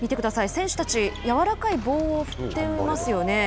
選手たちやわらかい棒を振っていますよね。